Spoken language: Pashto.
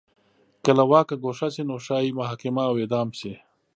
که له واکه ګوښه شي نو ښايي محاکمه او اعدام شي.